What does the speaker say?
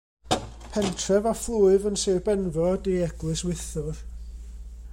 Pentref a phlwyf yn Sir Benfro ydy Eglwys Wythwr.